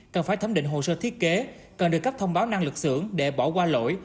cần phải thấm định hồ sơ thiết kế cần được cấp thông báo năng lực xưởng để bỏ qua lỗi